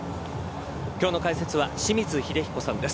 今日の解説は清水秀彦さんです。